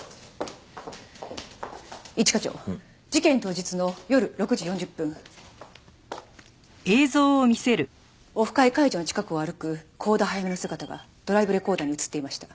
一課長事件当日の夜６時４０分オフ会会場の近くを歩く幸田早芽の姿がドライブレコーダーに映っていました。